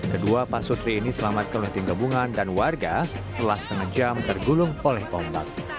kedua pasutri ini selamatkan lehati kebungan dan warga setelah setengah jam tergulung oleh ombak